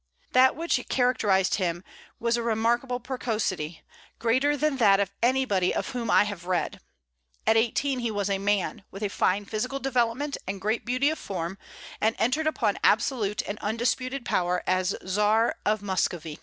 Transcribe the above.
That which characterized him was a remarkable precocity, greater than that of anybody of whom I have read. At eighteen he was a man, with a fine physical development and great beauty of form, and entered upon absolute and undisputed power as Czar of Muscovy.